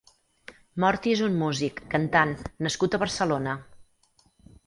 Morti és un músic, cantant nascut a Barcelona.